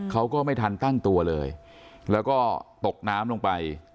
เขาก็ไม่ทันตั้งตัวเลยแล้วก็ตกน้ำลงไป